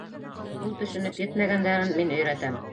Ул төшөнөп етмәгәндәрен мин өйрәтәм...